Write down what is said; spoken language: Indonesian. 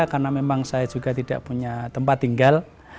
karena memang saya juga tidak punya tempat tinggal